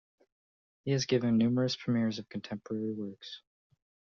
He has given numerous premieres of contemporary works.